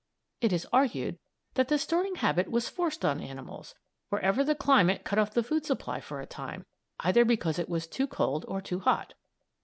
It is argued that the storing habit was forced on animals wherever the climate cut off the food supply for a time either because it was too cold or too hot.